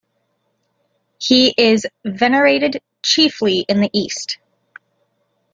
He is venerated chiefly in the East.